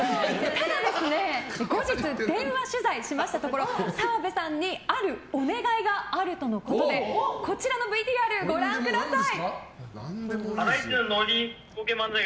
ただ、後日電話取材しましたところ澤部さんにあるお願いがあるとのことでこちらのＶＴＲご覧ください。